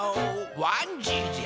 わんじいじゃ。